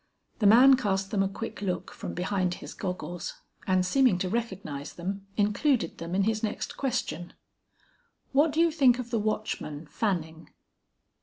The man cast them a quick look from behind his goggles, and seeming to recognize them, included them in his next question. "What do you think of the watchman, Fanning?"